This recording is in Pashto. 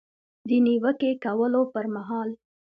د نیوکې کولو پر مهال